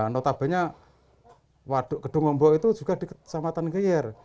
notabene waduk gedung ombok itu juga di kecamatan geyer